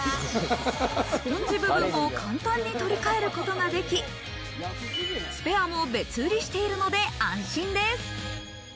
スポンジ部分も簡単に取り替えることができ、スペアも別売りしているので安心です。